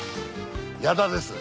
矢田です